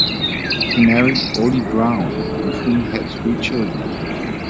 He married Olie Brown with whom he had three children.